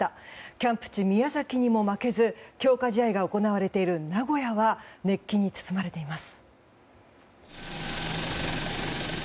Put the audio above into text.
キャンプ地、宮崎にも負けず強化試合が行われている名古屋は熱気に包まれています。